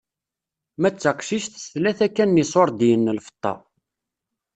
Ma d taqcict s tlata kan n iṣurdiyen n lfeṭṭa.